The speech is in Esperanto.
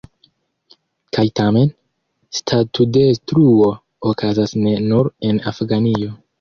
Kaj tamen, statudetruo okazas ne nur en Afganio.